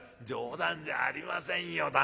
冗談じゃありませんよ